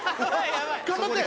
頑張って。